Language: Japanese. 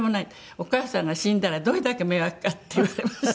お義母さんが死んだらどれだけ迷惑か！」って言われました。